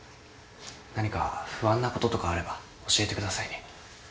何か不安なこととかあれば教えてくださいね。